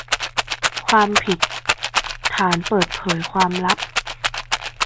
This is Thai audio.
ความผิดฐานเปิดเผยความลับ